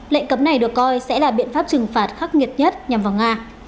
lệnh cấm này được coi sẽ là biện pháp trừng phạt khắc nghiệt nhất nhằm vào nga